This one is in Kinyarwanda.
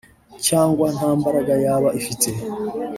cyangwa nta mbaraga yaba ifite